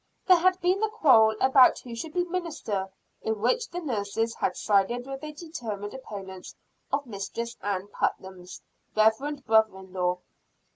There had been the quarrel about who should be minister, in which the Nurses had sided with the determined opponents of Mistress Ann Putnam's reverend brother in law.